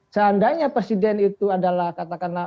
seandainya presiden itu adalah katakanlah